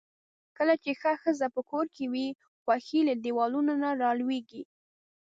کله چې ښه ښځۀ پۀ کور کې وي، خؤښي له دیوالونو را لؤیږي.